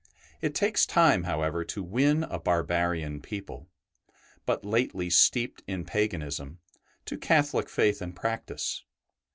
It takes time, however, to win a barbarian people, but lately steeped in paganism, to Catholic faith and practice.